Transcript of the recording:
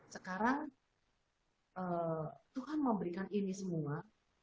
sekarang tuhan mau berikan ini semua